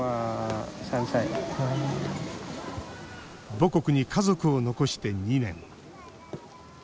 母国に家族を残して２年。